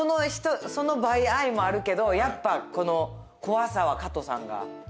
その倍愛もあるけどやっぱ怖さは加藤さんが断トツ。